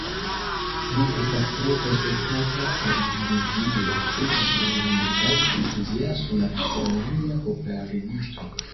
Li estas tre respektata erudiciulo pri astronomio kaj entuziasma astronomia popularigisto.